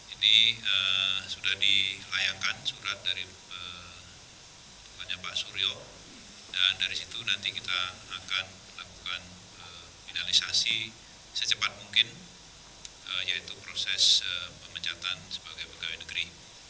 ini sudah dilayangkan surat dari pak suryo dan dari situ nanti kita akan lakukan finalisasi secepat mungkin yaitu proses pemecatan sebagai pegawai negeri